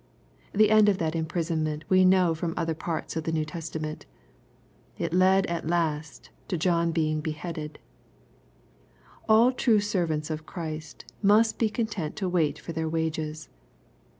The end of that imprisonment we know from other parts of the New Testament. It led at last to John being beheaded. All true servants of Christ must be content to wait for their wages.